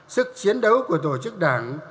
sức chiến đấu của tổ chức đảng